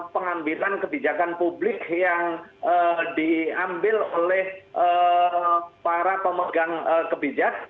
pengambilan kebijakan publik yang diambil oleh para pemegang kebijakan